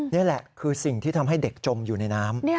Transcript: นี่คือสิ่งที่ทำให้เด็กจมอยู่ในน้ำ